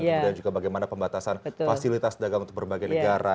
kemudian juga bagaimana pembatasan fasilitas dagang untuk berbagai negara